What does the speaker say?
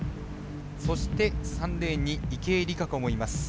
そして、３レーンに池江璃花子もいます。